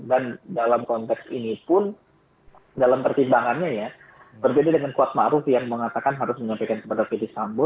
dan dalam konteks ini pun dalam pertimbangannya ya berbeda dengan kuat maruf yang mengatakan harus menyampaikan kepada fethi sambo